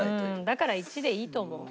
だから１でいいと思う。